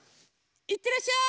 いってらっしゃい！